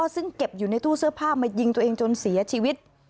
ซึ่งเก็บอยู่ในตู้เสื้อผ้ามายิงตัวเองจนเสียชีวิต